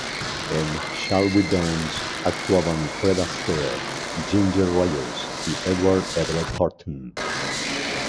En 'Shall We Dance" actuaban Fred Astaire, Ginger Rogers, y Edward Everett Horton.